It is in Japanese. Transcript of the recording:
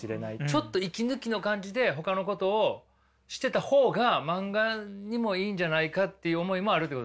ちょっと息抜きの感じでほかのことをしてた方が漫画にもいいんじゃないかっていう思いもあるってことですか。